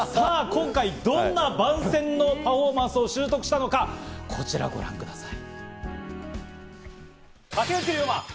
今回、どんな番宣用パフォーマンスを習得したのか、こちらをご覧ください！